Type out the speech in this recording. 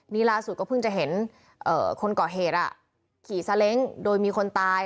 นี่ล่าสุดก็เพิ่งจะเห็นคนก่อเหตุขี่ซาเล้งโดยมีคนตาย